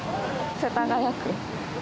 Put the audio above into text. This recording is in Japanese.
世田谷区。